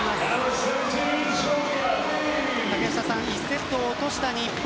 １セットを落とした日本。